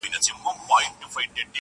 د قدرت گيند چي به خوشي پر ميدان سو!.